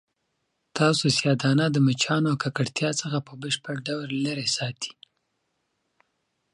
تاسو سیاه دانه د مچانو او ککړتیا څخه په بشپړ ډول لیرې وساتئ.